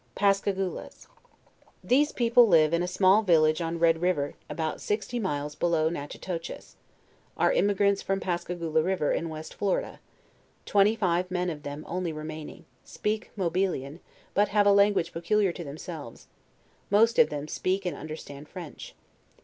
PASCAGOLAS. These people live in a small village on Red river, about sixty miles below Natchitoches; are emi grants from Pascagola river, in West Florida; twenty five men of them only remaining; speak Mobilian, but have a language peculiar to themselves; most of them speak and un derstand French.